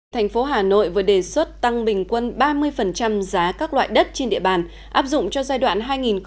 thành phố hà nội vừa đề xuất tăng bình quân ba mươi giá các loại đất trên địa bàn áp dụng cho giai đoạn hai nghìn một mươi sáu hai nghìn hai mươi